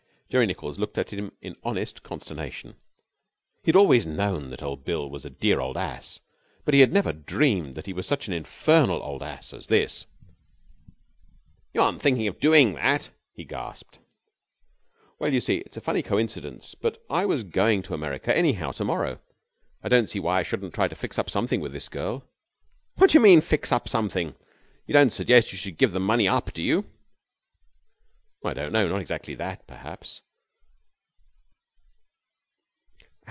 Jerry Nichols looked at him in honest consternation. He had always known that old Bill was a dear old ass, but he had never dreamed that he was such an infernal old ass as this. 'You aren't thinking of doing that?' he gasped. 'Well, you see, it's a funny coincidence, but I was going to America, anyhow, to morrow. I don't see why I shouldn't try to fix up something with this girl.' 'What do you mean fix up something? You don't suggest that you should give the money up, do you?' 'I don't know. Not exactly that, perhaps.